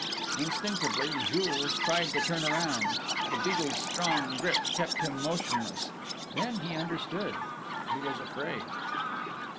Instinctively Jules tried to turn round. The Beadle's strong grip kept him motionless. Then he understood. He was afraid.